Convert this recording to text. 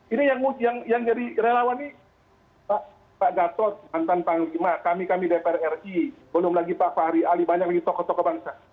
ini yang jadi relawan ini pak gatot mantan panglima kami kami dpr ri belum lagi pak fahri ali banyak lagi tokoh tokoh bangsa